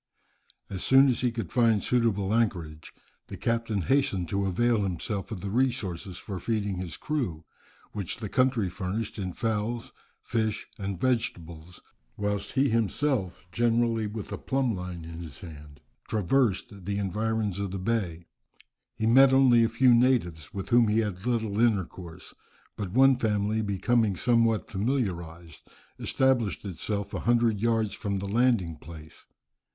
As soon as he could find suitable anchorage, the captain hastened to avail himself of the resources for feeding his crew, which the country furnished in fowls, fish, and vegetables, whilst he himself, generally with the plumb line in his hand, traversed the environs of the bay. He met only a few natives, with whom he had little intercourse. But one family becoming somewhat familiarized, established itself a hundred yards from the landing place.